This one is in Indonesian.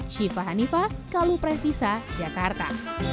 syifa hanifah kalu presisa jakarta